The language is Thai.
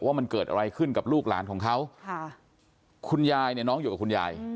ว่ามันเกิดอะไรขึ้นกับลูกหลานของเขาค่ะคุณยายเนี่ยน้องอยู่กับคุณยาย